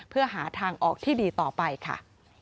เพื่อหาทางออกที่ดีต่อไปค่ะ